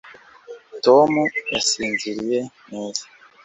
tom yasinziriye neza